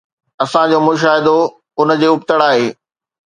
اسان جو مشاهدو ان جي ابتڙ آهي.